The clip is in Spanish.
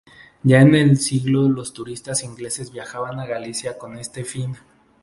Ya en el siglo los turistas ingleses viajaban a Galicia con este fin.